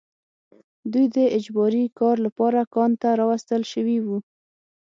دوی د اجباري کار لپاره کان ته راوستل شوي وو